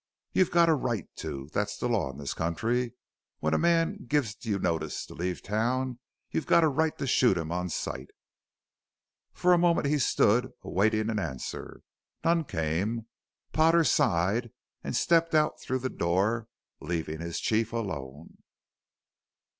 You've got a right to; that's the law in this country. When a man gives you notice to leave town you've got a right to shoot him on sight!" For a moment he stood, awaiting an answer. None came. Potter sighed and stepped out through the door, leaving his chief alone.